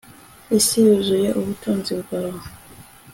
Isi yuzuye ubutunzi bwawe